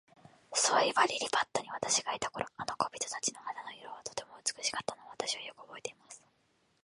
そういえば、リリパットに私がいた頃、あの小人たちの肌の色は、とても美しかったのを、私はよくおぼえています。